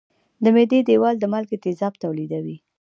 د معدې دېوال د مالګي تیزاب تولیدوي.